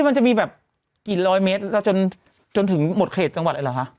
มันจะมีแบบกี่ร้อยเมตรเราจนถึงหมดเขตจังหวัดเลยเหรอคะ